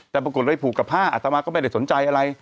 แต่ปรากฏเลยผูกกับผ้าอัตมาก็ไม่ได้สนใจอะไร